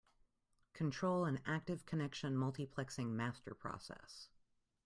Control an active connection multiplexing master process.